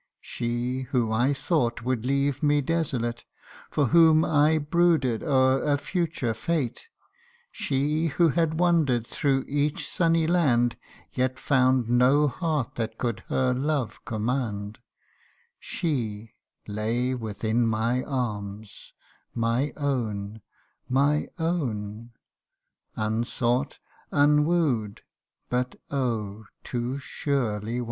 She, who I thought would leave me desolate For whom I brooded o'er a future fate ; She, who had wander'd through each sunny land, Yet found no heart that could her love command She lay within my arms, my own my own Unsought, unwoo'd, but oh ! too surely won.